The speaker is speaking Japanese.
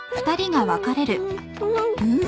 うん？